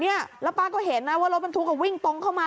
แล้วป้าก็เห็นนะว่ารถบรรทุกวิ่งตรงเข้ามา